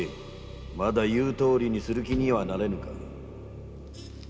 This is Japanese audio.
まだ言うとおりにする気にはなれぬか？